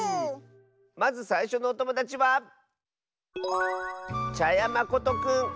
まずさいしょのおともだちはまことくんの。